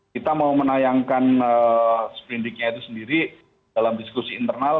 kita mau menayangkan sprindiknya itu sendiri dalam diskusi internal